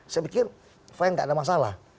saya pikir fayang enggak ada masalah